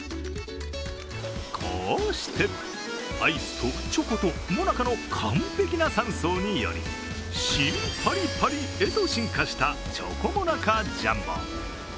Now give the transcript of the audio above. こうしてアイスとチョコとモナカの完璧な３層により新パリパリへと進化したチョコモナカジャンボ。